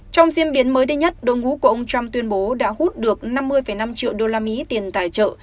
trong diễn biến mới đây nhất đồng ngũ của ông trump tuyên bố đã hút được năm mươi năm triệu usd tiền tài trợ